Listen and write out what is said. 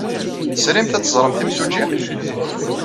Tesrimt ad teẓremt imsujji?